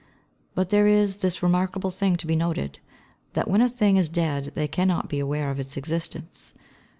But there is this remarkable thing to be noted, that when a thing is dead they cannot be aware of its existence.